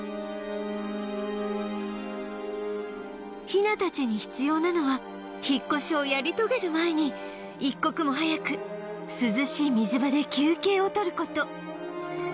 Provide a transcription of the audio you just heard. ヒナたちに必要なのは引っ越しをやり遂げる前に一刻も早く涼しい水場で休憩を取る事